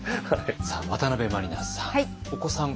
さあ渡辺満里奈さん。